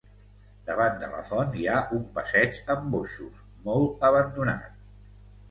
Davant de la font hi ha un passeig amb boixos, molt abandonat.